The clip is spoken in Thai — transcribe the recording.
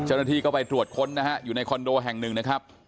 เจ้าหน้าที่ก็ไปตรวจค้นนะฮะอยู่ในคอนโดแห่งหนึ่งนะครับ